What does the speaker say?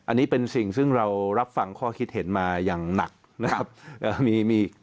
อันนี้เป็นสิ่งซึ่งเรารับฟังข้อคิดเห็นมาอย่างหนักนะครับ